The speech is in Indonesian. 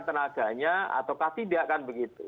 tenaganya ataukah tidak kan begitu